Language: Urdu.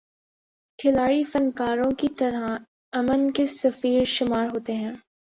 کھلاڑی فنکاروں کی طرح امن کے سفیر شمار ہوتے ہیں۔